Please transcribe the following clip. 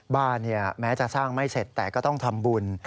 บ้านเนี่ยแม้จะสร้างไม่เสร็จแต่ก็ต้องทำบุญ